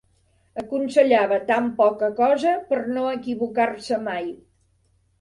Aconsellava tant poca cosa, per no equivocar-se mai